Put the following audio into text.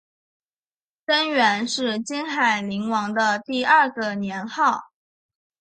贞元是金海陵王的第二个年号。